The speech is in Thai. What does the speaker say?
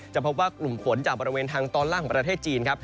พบว่ากลุ่มฝนจากบริเวณทางตอนล่างของประเทศจีนครับ